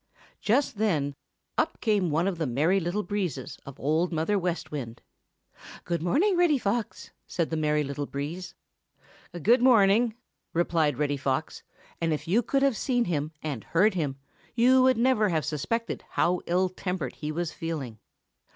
Just then up came one of the Merry Little Breezes of Old Mother West Wind. "Good morning, Reddy Fox," said the Merry Little Breeze. "Good morning," replied Reddy Fox, and if you could have seen him and heard him, you would never have suspected how ill tempered he was feeling.